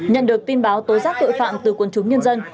nhận được tin báo tối giác tội phạm từ quân chúng nhân dân